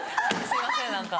すいません何か。